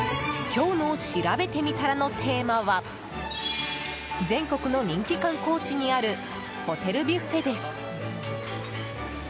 今日のしらべてみたらのテーマは全国の人気観光地にあるホテルビュッフェです。